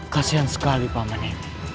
kasian sekali pak mani